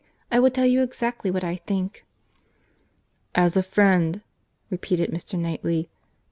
I will tell you exactly what I think." "As a friend!"—repeated Mr. Knightley.